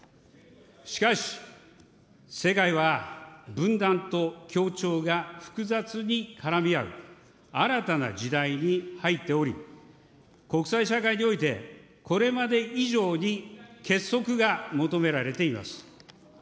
しかし、世界は分断と協調が複雑に絡み合う新たな時代に入っており、国際社会においてこれまで以上に結束が求められています。